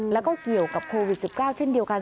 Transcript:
แล้วก็เกี่ยวกับโควิด๑๙เช่นเดียวกัน